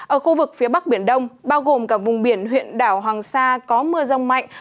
ở khu vực phía bắc biển đông bao gồm cả vùng biển huyện đảo hoàng sa có mưa rông mạnh